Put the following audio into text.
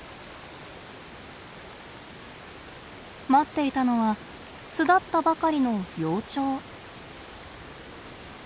待っていたのは巣立ったばかりの幼鳥。